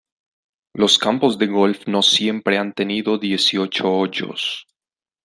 Los campos de golf no siempre han tenido dieciocho hoyos.